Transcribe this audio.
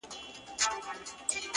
پوهه د انسان تلپاتې ځواک دی.